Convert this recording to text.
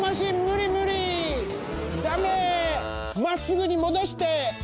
まっすぐにもどして！